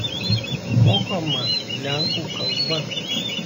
Mokoma lenkų kalba.